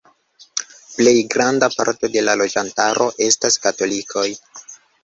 Plej granda parto de la loĝantaro estas katolikoj.